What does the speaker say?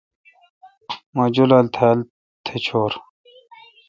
مہ جولال تھال تھ چور